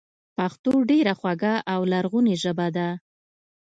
پښتو ډېره خواږه او لرغونې ژبه ده